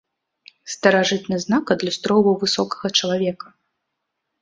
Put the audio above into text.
Старажытны знак адлюстроўваў высокага чалавека.